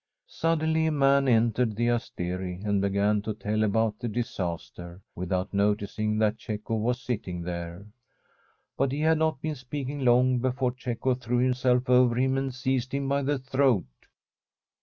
Suddenly a man entered the asteri and began to tell about the disaster, without noticing that Cecco was sitting there. But he had not been speaking long before Cecco threw himself over him and seized him by the throat.